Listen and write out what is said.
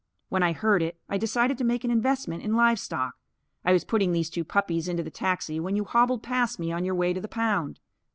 When I heard it I decided to make an investment in livestock. I was putting these two puppies into the taxi when you hobbled past me on your way to the pound.